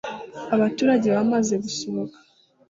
Abaturage bamaze gusohoka